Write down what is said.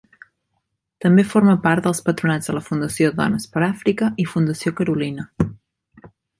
També forma part dels patronats de la Fundació Dones per Àfrica i Fundació Carolina.